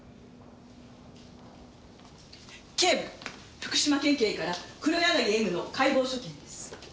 福島県警から黒柳恵美の解剖所見です。